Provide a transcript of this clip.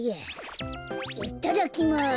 いただきます。